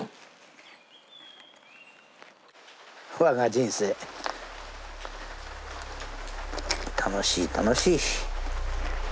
我が人生楽しい楽しい。